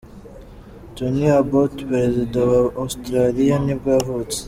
Tony Abbott, perezida wa Australia nibwo yavutse.